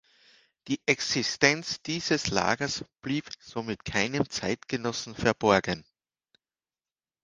Die Existenz dieses Lagers blieb somit keinem Zeitgenossen verborgen.